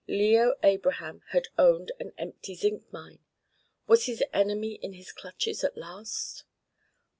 Leo Abraham had owned an empty zinc mine! Was his enemy in his clutches at last?